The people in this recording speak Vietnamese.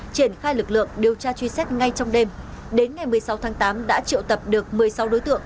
triển khai lực lượng điều tra truy xét ngay trong đêm đến ngày một mươi sáu tháng tám đã triệu tập được một mươi sáu đối tượng